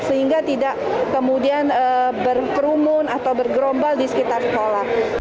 sehingga tidak kemudian berkerumun atau bergerombol di sekitar sekolah